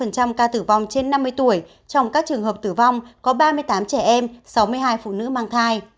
tám mươi sáu năm ca tử vong trên năm mươi tuổi trong các trường hợp tử vong có ba mươi tám trẻ em sáu mươi hai phụ nữ mang thai